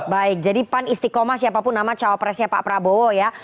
baik jadi pan istiqomah siapapun nama cawapresnya pak prabowo ya